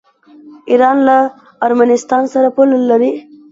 ایران له ارمنستان سره پوله لري.